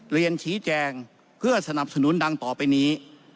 เรียนชี้แจงเพื่อสนับสนุนดังต่อไปนี้